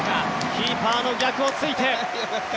キーパーの逆を突いて。